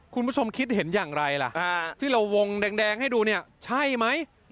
คุณผู้ชมคิดเห็นอย่างไรล่ะที่เราวงแดงให้ดูเนี่ยใช่ไหม